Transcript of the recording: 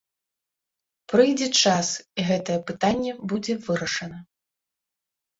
Прыйдзе час, і гэтае пытанне будзе вырашана.